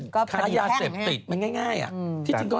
คาดยาเสพติดมันง่ายอะ